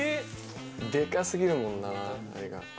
でかすぎるもんなあれが。